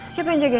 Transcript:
siapa yang jagain